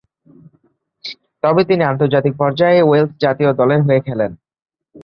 তবে তিনি আন্তর্জাতিক পর্যায়ে ওয়েলস জাতীয় দলের হয়ে খেলেন।